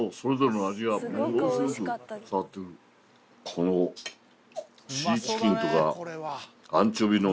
このシーチキンとかアンチョビの。